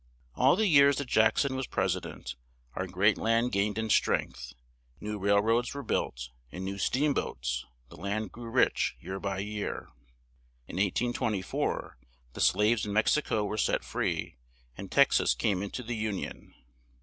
All the years that Jack son was pres i dent, our great land gained in strength; new rail roads were built; and new steam boats; the land grew rich year by year. In 1824 the slaves in Mex i co were set free, and Tex as came in to the Un ion.